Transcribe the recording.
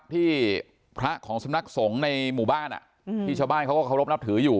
ที่พระของสำนักสงฆ์ในหมู่บ้านที่ชาวบ้านเขาก็เคารพนับถืออยู่